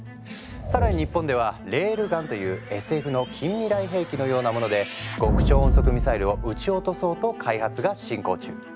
更に日本では「レールガン」っていうＳＦの近未来兵器のようなもので極超音速ミサイルを撃ち落とそうと開発が進行中。